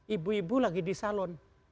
ibu ibu lagi di salon